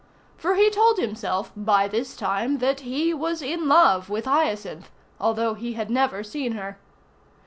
For he told himself by this time that he was in love with Hyacinth, although he had never seen her.